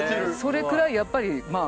それくらいやっぱりまあ